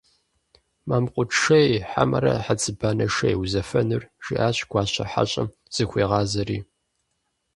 «Мэмкъут шей, хьэмэрэ хьэцыбанэ шей узэфэнур?» - жиӏащ Гуащэ, хьэщӏэм зыхуигъазэри.